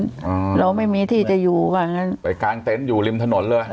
เราไม่มีที่จะอยู่ว่างั้นไปกางเต็นต์อยู่ริมถนนเลย